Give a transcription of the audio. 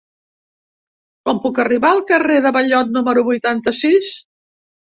Com puc arribar al carrer de Ballot número vuitanta-sis?